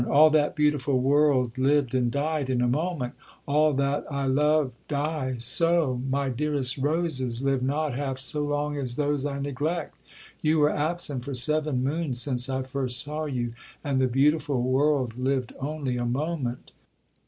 —all that beautiful world lived and died in a moment—all that I love die so—my dearest roses live not half so long as those I neglect—you were absent for seven moons since I first saw you, and the beautiful world lived only a moment.'